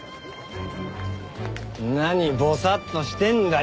何ぼさっとしてんだよ。